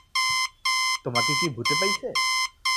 তোমাকে কি ভূতে পাইয়াছে?